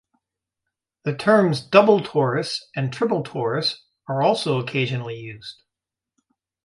The terms double torus and triple torus are also occasionally used.